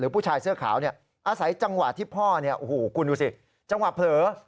ผู้ชายเสื้อขาวอาศัยจังหวะที่พ่อคุณดูสิจังหวะเผลอ